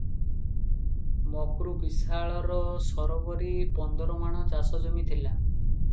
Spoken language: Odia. ମକ୍ରୁ ବିଶାଳର ସରବରି ପନ୍ଦର ମାଣ ଚାଷଜମି ଥିଲା ।